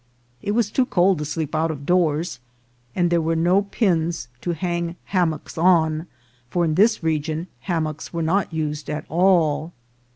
It was too cold to sleep out of doors, and there were no pins to hang hammocks on, for in this region hammocks were not used at all.